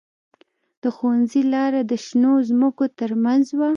د ښوونځي لاره د شنو ځمکو ترمنځ وه